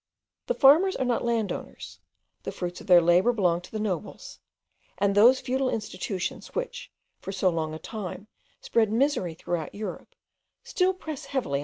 The farmers are not land owners; the fruits of their labour belong to the nobles; and those feudal institutions, which, for so long a time, spread misery throughout Europe, still press heavily on the people of the Canary Islands.